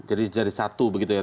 jadi satu begitu ya